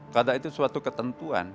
kadak itu suatu ketentuan